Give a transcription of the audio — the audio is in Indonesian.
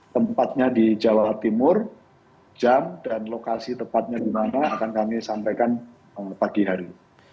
tempatnya di jawa timur jam dan lokasi tempatnya dimana akan kami sampaikan pagi hari